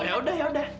oh yaudah yaudah